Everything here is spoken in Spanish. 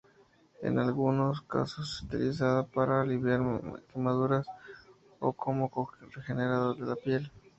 En algunos casos, es utilizada para aliviar quemaduras o como regenerador de la piel.